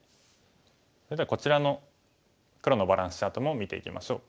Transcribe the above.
それではこちらの黒のバランスチャートも見ていきましょう。